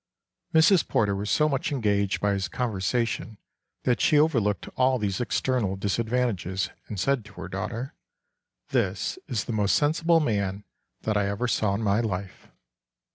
Mrs. Porter was so much engaged by his conversation that she overlooked all these external disadvantages, and said to her daughter, 'This is the most sensible man that I ever saw in my life.